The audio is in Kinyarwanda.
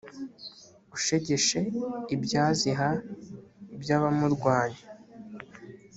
ushegeshe ibyaziha by’abamurwanya;